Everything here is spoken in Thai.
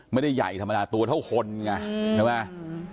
ไม่ได้ใหญ่ธรรมดาตัวเท่าคนไงใช่ไหม